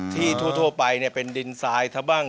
ที่ทั่วไปเนี่ยเป็นดินซายถ้าบ้าง